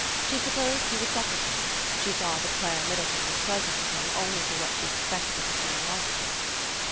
She supposed he would supplicate; she saw that Clara Middleton was pleasant with him only for what she expected of his generosity.